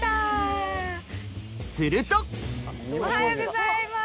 するとおはようございます！